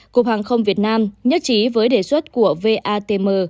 cục hàng không việt nam nhất trí với đề xuất của vatm